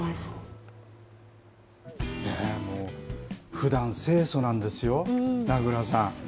ふだん清楚なんですよ、名倉さん。